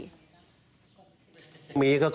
ขอเตือนไว้นะจะคบจะค้าหรือจะสมาคมกับคนพวกนี้ขอให้คิดให้ดี